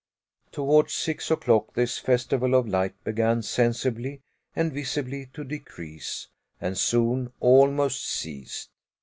Towards six o'clock, this festival of light began sensibly and visibly to decrease, and soon almost ceased.